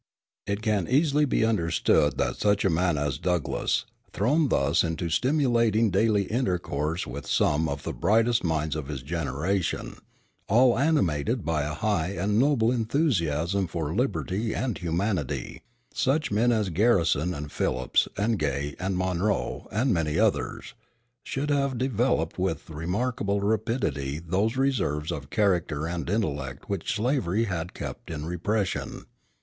It can easily be understood that such a man as Douglass, thrown thus into stimulating daily intercourse with some of the brightest minds of his generation, all animated by a high and noble enthusiasm for liberty and humanity, such men as Garrison and Phillips and Gay and Monroe and many others, should have developed with remarkable rapidity those reserves of character and intellect which slavery had kept in repression.